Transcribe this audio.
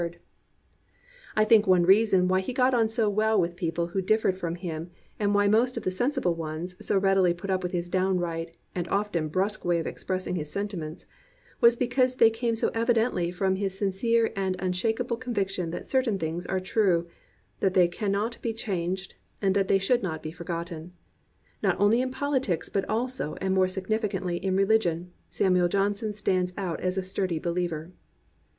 318 A STURDY BELIEVER I think one reason why he got on so well with people who differed from him, and why most of the sensible ones so readily put up with his downright and often brusque way of expressing his sentiments, was because they came so evidently from his sin cere and unshakeable conviction that certain things are true, that they can not be changed, and that they should not be forgotten. Not only in politics, but also and more significantly in religion, Samuel Johnson stands out as a sturdy behever.